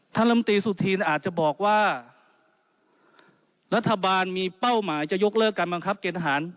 ลำตีสุธีนอาจจะบอกว่ารัฐบาลมีเป้าหมายจะยกเลิกการบังคับเกณฑหาร